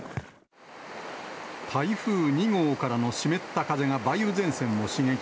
台風２号からの湿った風が梅雨前線を刺激。